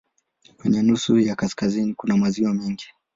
Kwenye nusu ya kaskazini kuna maziwa mengi.